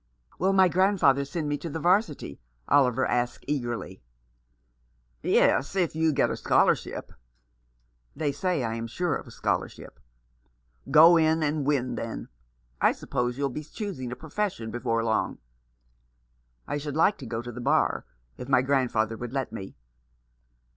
" Will my grandfather send me to the 'Varsity ?" Oliver asked eagerly. 345 Rough Justice. "Yes, if you get a scholarship." " They say I am sure of a scholarship." "Go in and win, then. I suppose you'll be choosing a profession before long ?"" I should like to go to the Bar, if my grand father would let me."